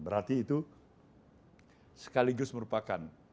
berarti itu sekaligus merupakan